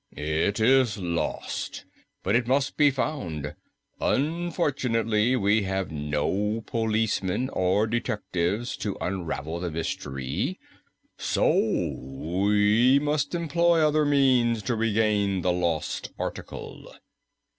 "It is lost, but it must be found. Unfortunately, we have no policemen or detectives to unravel the mystery, so we must employ other means to regain the lost article.